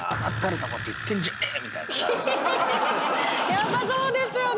やっぱそうですよね！